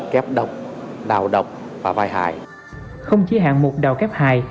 không chỉ hạng mục đào kép hài